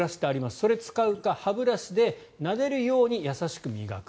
それを使うか歯ブラシでなでるように優しく磨く。